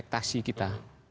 ini adalah perspektasi kita